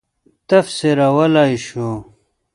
تفسیرولای شو.